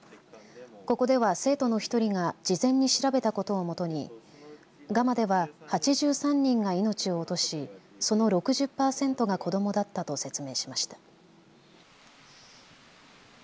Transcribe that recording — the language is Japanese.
ここでは生徒の１人が事前に調べたことをもとにガマでは８３人が命を落としその６０パーセントが子どもだったと説明。